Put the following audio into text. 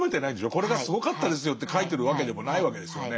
これがすごかったですよって書いてるわけでもないわけですよね。